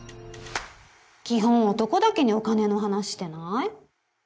基本男だけにお金の話してない？